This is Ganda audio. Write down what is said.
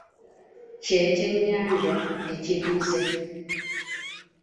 Kye kyennyanja ekiduze.